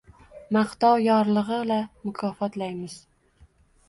Maqtov yorlig’i-la mukofotlaymiz